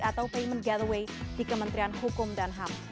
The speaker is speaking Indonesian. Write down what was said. atau payment gateway di kementerian hukum dan ham